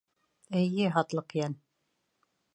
— Эйе, һатлыҡ йән.